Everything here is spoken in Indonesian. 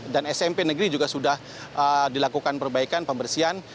dan smp negeri juga sudah dilakukan perbaikan pembersihan